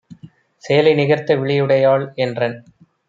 சேலை நிகர்த்த விழியுடையாள் - என்றன்